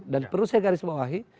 dan perlu saya garis bawahi